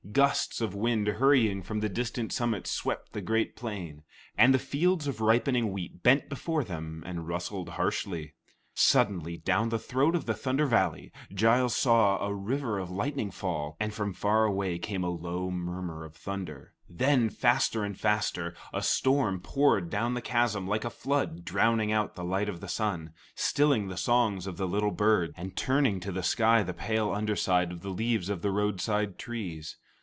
Gusts of wind hurrying from the distant summits swept the great plain, and the fields of ripening wheat bent before them and rustled harshly. Suddenly, down the throat of the Thunder Valley, Giles saw a river of lightning fall, and from far away came a low murmur of thunder. Then, faster and faster, a storm poured down the chasm like a flood, drowning out the light of the sun, stilling the songs of the little birds, and turning to the sky the pale underside of the leaves of the roadside trees.